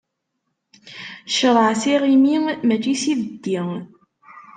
Ccṛeɛ s iɣimi, mačči s ibeddi.